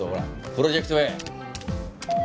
『プロジェクトＡ』。